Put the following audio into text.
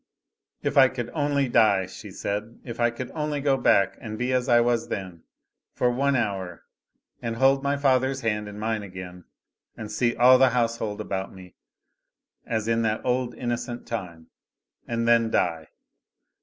"If I could only die!" she said. "If I could only go back, and be as I was then, for one hour and hold my father's hand in mine again, and see all the household about me, as in that old innocent time and then die!